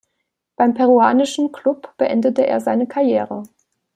Beim peruanischen Klub beendete er seine Karriere.